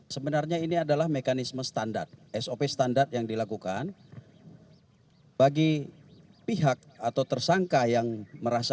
sebenarnya ini adalah mekanisme standar sop standar yang dilakukan bagi pihak atau tersangka yang merasa